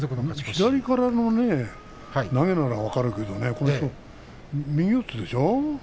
左からの投げなら分かるんだけど右四つでしょう？